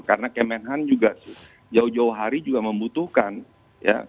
karena kemen han juga jauh jauh hari juga membutuhkan ya